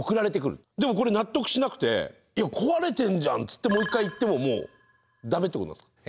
でもこれ納得しなくて「いや壊れてんじゃん」つってもう一回言ってももうダメってことなんですか？